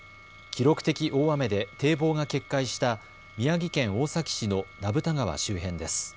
記録的大雨で堤防が決壊した宮城県大崎市の名蓋川周辺です。